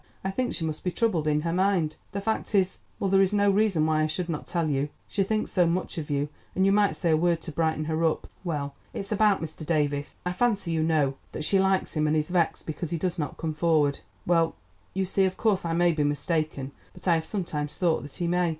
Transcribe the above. "I think she must be troubled in her mind. The fact is—well, there is no reason why I should not tell you; she thinks so much of you, and you might say a word to brighten her up—well, it's about Mr. Davies. I fancy, you know, that she likes him and is vexed because he does not come forward. Well, you see—of course I may be mistaken, but I have sometimes thought that he may.